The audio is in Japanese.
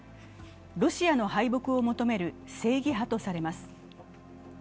ロシアの敗北を求める正義派とされます。